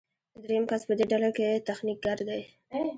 دریم کس په دې ډله کې تخنیکګر دی.